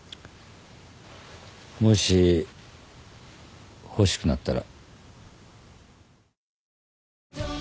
もし欲しくなったら。